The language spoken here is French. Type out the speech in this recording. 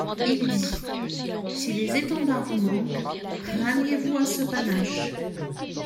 Il dit : «Si les étendards vous manquent, ralliez-vous à ce panache.